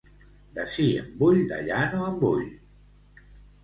D'ací en vull, d'allà no en vull.